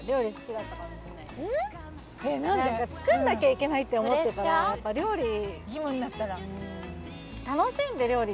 何か作んなきゃいけないって思ってたらやっぱ料理今になったら？